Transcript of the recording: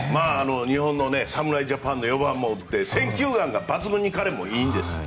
日本の侍ジャパンの４番も打って彼も選球眼が抜群にいいんです。